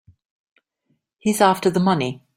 He's after the money.